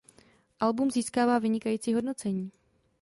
Album získává vynikající hodnocení.